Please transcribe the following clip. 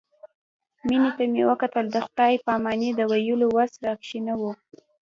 مينې ته مې وکتل د خداى پاماني د ويلو وس راکښې نه و.